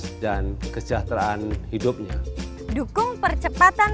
akan memiliki kekuatan yang berkualitas